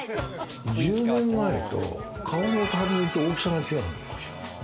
１０年前と顔のたるみと大きさが違うのよ。